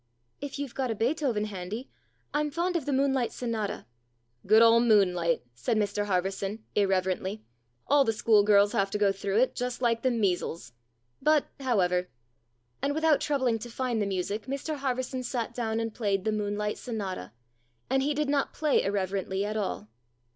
"If you've got a Beethoven handy, I'm fond of the ' Moonlight Sonata.' "" Good old * Moonlight,' " said Mr Harverson, irre verently. " All the schoolgirls have to go through it just like the measles. But, however " And without troubling to find the music Mr Harverson sat down and played the " Moonlight Sonata," and he did not play irreverently at all.